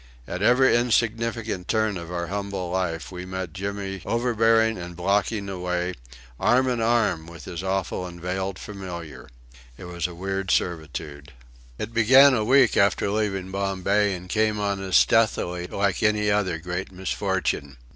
At every insignificant turn of our humble life we met Jimmy overbearing and blocking the way, arm in arm with his awful and veiled familiar. It was a weird servitude. It began a week after leaving Bombay and came on us stealthily like any other great misfortune.